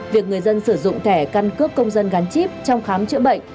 việc người dân sử dụng thẻ căn cước công dân gắn chip trong khám chữa bệnh